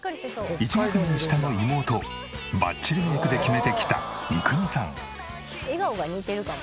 １学年下の妹バッチリメイクで決めてきた笑顔が似てるかも。